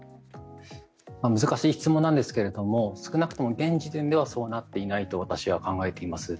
難しい質問なんですけれども少なくとも現時点ではそうなっていないと私は考えています。